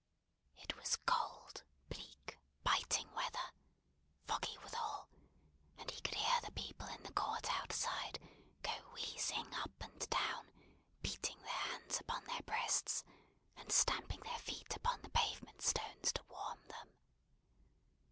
It was cold, bleak, biting weather: foggy withal: and he could hear the people in the court outside, go wheezing up and down, beating their hands upon their breasts, and stamping their feet upon the pavement stones to warm them.